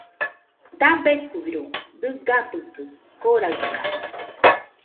Dabeikuiro dɨgabɨkɨ koraɨka